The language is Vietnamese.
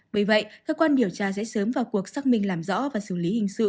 vì vậy các quan điều tra sẽ sớm vào cuộc xác minh làm rõ và xử lý hình sự